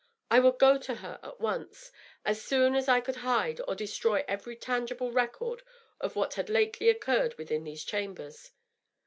I would go to her at once — as soon as I could hide or destroy every tangible record of what had lately occurred within these chambers.